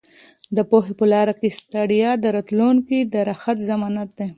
د پوهې په لاره کې ستړیا د راتلونکي د راحت ضمانت دی.